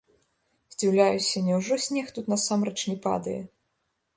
Здзіўляюся, няўжо снег тут насамрэч не падае?